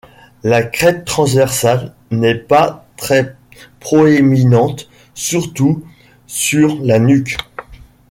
La crête transversale n'est pas très proéminente, surtout sur la nuque.